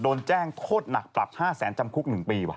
โดนแจ้งโทษหนักปรับ๕แสนจำคุก๑ปีว่